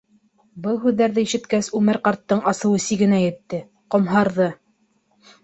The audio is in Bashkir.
Был һүҙҙәрҙе ишеткәс, Үмәр ҡарттың асыуы сигенә етте, ҡомһарҙы.